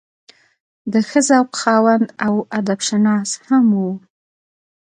د ښۀ ذوق خاوند او ادب شناس هم وو